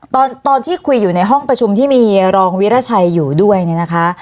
ตอนที่คุยอยู่ในห้องประชุมที่มีรองวิราชัยอยู่ด้วยเนี่ยนะคะ